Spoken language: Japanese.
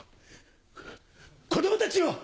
子供たちよ！